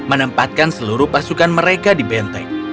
menempatkan seluruh pasukan mereka di benteng